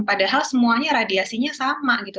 padahal semuanya radiasinya sama gitu